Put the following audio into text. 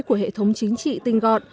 của hệ thống chính trị tinh gọn